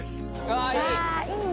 わいいね。